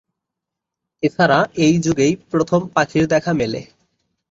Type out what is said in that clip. এছাড়া এই যুগেই প্রথম পাখির দেখা মেলে।